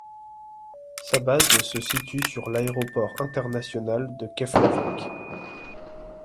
Sa base se situe sur l'aéroport international de Keflavík.